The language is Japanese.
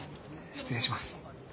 失礼します。